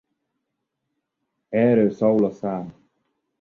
Erről szól a szám.